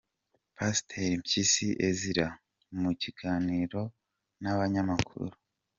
Pasiteri Mpyisi Ezra mu kiganiro n’abanyamakuru